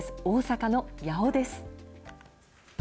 大阪の八尾です。